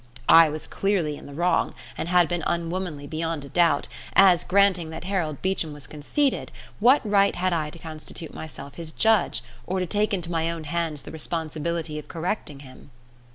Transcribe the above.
I was clearly in the wrong, and had been unwomanly beyond a doubt, as, granting that Harold Beecham was conceited, what right had I to constitute myself his judge or to take into my own hands the responsibility of correcting him?